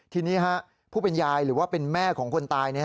ทีนี้ผู้เป็นยายหรือว่าเป็นแม่ของคนตาย